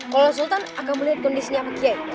kalau sultan akan melihat kondisinya bagi aida